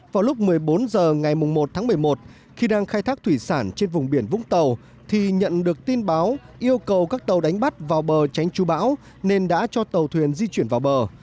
vào lúc một mươi bốn h ngày một tháng một mươi một khi đang khai thác thủy sản trên vùng biển vũng tàu thì nhận được tin báo yêu cầu các tàu đánh bắt vào bờ tránh chú bão nên đã cho tàu thuyền di chuyển vào bờ